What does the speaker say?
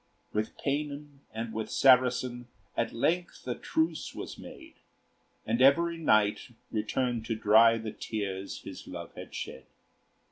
With Paynim and with Saracen At length a truce was made, And every knight returned to dry The tears his love had shed.